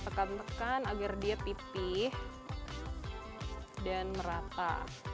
tekan tekan agar dia pipih dan merata